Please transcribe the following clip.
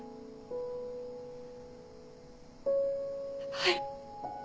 はい。